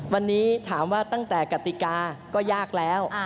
วันนี้ถามว่าตั้งแต่กติกาก็ยากแล้ว